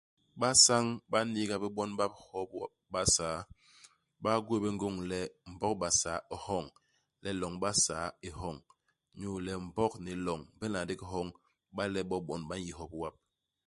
Ibasañ ba n'niiga bé bon bap hop wap Basaa, ba gwéé bé ngôñ le Mbog Basaa i hoñ, le loñ i Basaa i hoñ, inyu le Mbog ni loñ bi nla ndigi hoñ iba le bo bon ba n'yi hop wap.